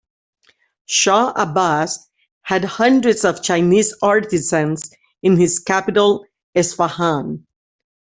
Shah Abbas had hundreds of Chinese artisans in his capital Esfahan.